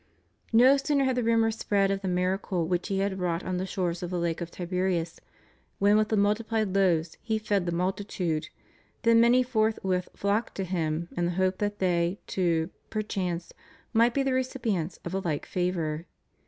No sooner had the rumor spread of the miracle which He had wrought on the shores of the lake of Tiberias, when with the multiplied loaves He fed the multitude, than many forthwith flocked to Him in the hope that they, too, perchance, might be the recipients of a like favor.